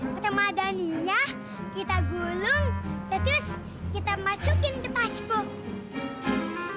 pertama adanya kita gulung terus kita masukin ke tas buku